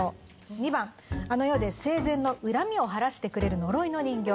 ２番あの世で生前の恨みを晴らしてくれる呪いの人形。